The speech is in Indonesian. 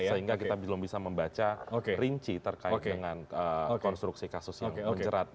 sehingga kita belum bisa membaca rinci terkait dengan konstruksi kasus yang menjerat